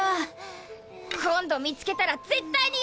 今度見つけたら絶対にやっつけてやる！